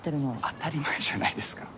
当たり前じゃないですか。